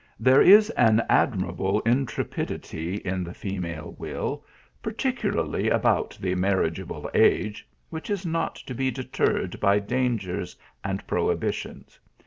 There is an admirable intrepidity in the female will, particularly about the marriageable age, which is not to be deterred by dangers and prohibitions.